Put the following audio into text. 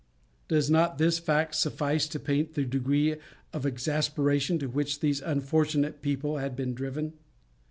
Does not this fact suffice to paint the degree of exasperation to which these unfortunate people had been driven?